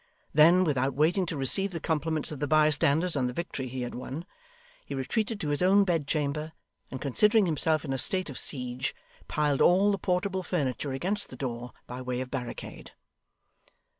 Then, without waiting to receive the compliments of the bystanders on the victory he had won, he retreated to his own bedchamber, and considering himself in a state of siege, piled all the portable furniture against the door by way of barricade.